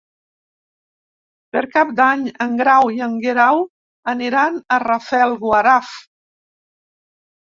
Per Cap d'Any en Grau i en Guerau aniran a Rafelguaraf.